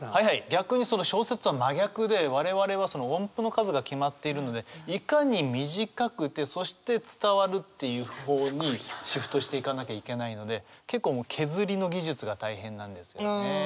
逆にその小説とは真逆で我々はその音符の数が決まっているのでいかに短くてそして伝わるっていう方にシフトしていかなきゃいけないので結構削りの技術が大変なんですよね。